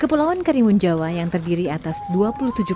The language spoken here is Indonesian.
kepulauan karimun jawa yang terdiri atas dua pulau yang berbeda